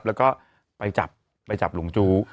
แล้วก็ไปจับหลวงจู๊